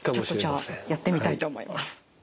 じゃあやってみたいと思います。